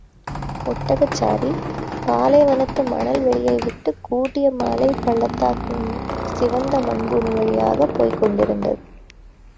ஒட்டகச்சாரி, பாலைவனத்து மணல் வெளியைவிட்டுக் கூர்டிய மலைப் பள்ளத்தாக்கின் சிவந்த மண் பூமி வழியாகப் போய்க் கொண்டிருந்தது.